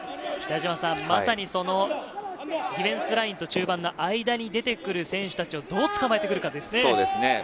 まさにディフェンスラインと中盤の間に出てくる選手たちをどうつかまえてくるかですね。